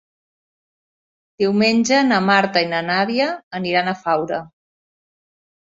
Diumenge na Marta i na Nàdia aniran a Faura.